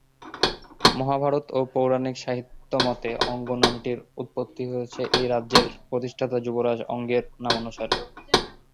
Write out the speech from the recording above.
মহাভারত ও পৌরাণিক সাহিত্য মতে অঙ্গ নামটির উৎপত্তি হয়েছে এই রাজ্যের প্রতিষ্ঠাতা যুবরাজ অঙ্গের নামানুসারে।